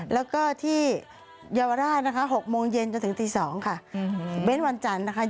แล้วก็ที่เยาวราชนะคะ๖โมงเย็นจนถึง๙โมงอาจารย์ค่ะ